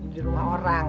di rumah orang